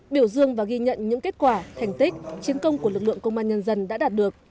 biểu dương và ghi nhận những kết quả thành tích chiến công của lực lượng công an nhân dân đã đạt được